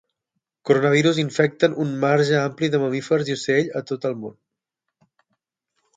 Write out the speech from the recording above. Coronavirus infecten un marge ampli de mamífers i ocells a tot el món.